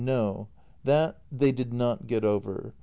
No, that they did not get over.